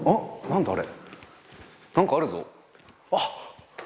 何かあるぞあっ。